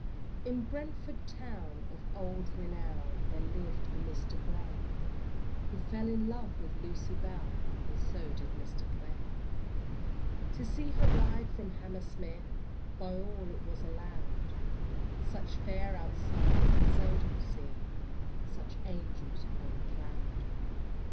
In Brentford town, of old renown, There lived a Mister Bray, Who fell in love with Lucy Bell, And so did Mr. Clay. To see her ride from Hammersmith, By all it was allowed, Such fair outsides are seldom seen, Such Angels on a Cloud.